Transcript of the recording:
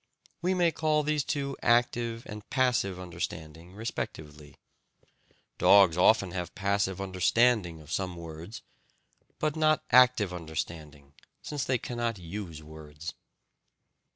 We may call these two active and passive understanding respectively. Dogs often have passive understanding of some words, but not active understanding, since they cannot use words.